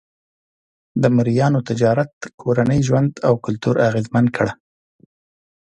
د مریانو تجارت کورنی ژوند او کلتور اغېزمن کړ.